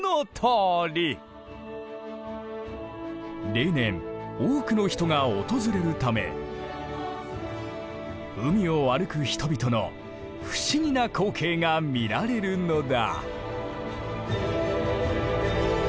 例年多くの人が訪れるため海を歩く人々の不思議な光景が見られるのだ。